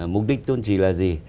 mục đích tôn trì là gì